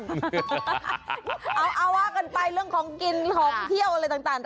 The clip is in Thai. หน้ามมมเอาเวลากันไปเรื่องของกินของเที่ยวอะไรทั้งแต่